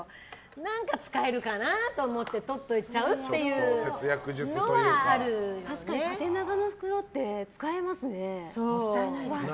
何か使えるかなと思ってとっといちゃうっていうのは確かに縦長の袋って使えますね。